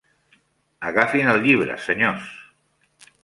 Agafin el llibre, senyors.